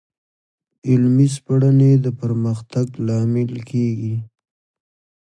علمي سپړنې د پرمختګ لامل کېږي.